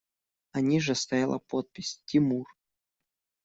А ниже стояла подпись: «Тимур».